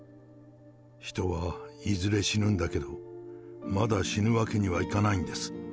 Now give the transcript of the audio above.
人はいずれ死ぬんだけど、まだ死ぬわけにはいかないんです。